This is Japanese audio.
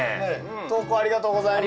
投稿ありがとうございます。